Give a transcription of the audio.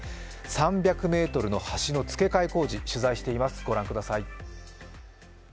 ３００ｍの橋の付け替え工事、取材しています。